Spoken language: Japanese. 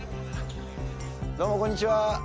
どうも、こんにちは。